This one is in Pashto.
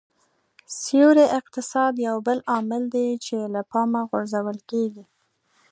سیوري اقتصاد یو بل عامل دی چې له پامه غورځول کېږي